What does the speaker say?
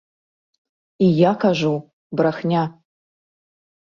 І я кажу, брахня.